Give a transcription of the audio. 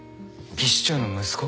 技師長の息子？